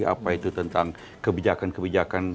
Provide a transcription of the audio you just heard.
apa itu tentang kebijakan kebijakan